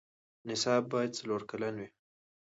نصاب باید څلور کلن وي.